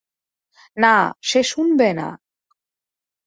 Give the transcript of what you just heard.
না, সে শুনবে না।